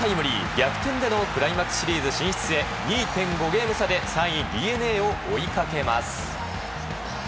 逆転でのクライマックスシリーズ進出へ２．５ゲーム差で３位、ＤｅＮＡを追いかけます。